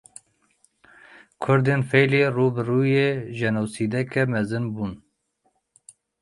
Kurdên Feylî rû bi rûyî jenosîdeke mezin bûn.